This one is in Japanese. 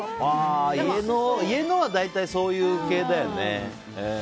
家のは大体そういう系だよね。